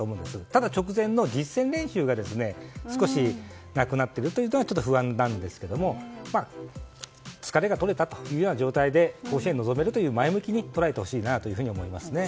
ただ直前の実戦練習が少しなくなっているという点は不安なんですけども疲れが取れたという状態で甲子園に臨めると前向きに捉えてほしいと思いますね。